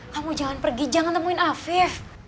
kamu jangan pergi jangan nemuin afif